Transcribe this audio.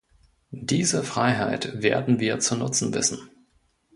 Diese Freiheit werden wir zu nutzen wissen.